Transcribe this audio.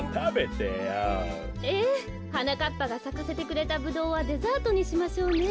はなかっぱがさかせてくれたブドウはデザートにしましょうね。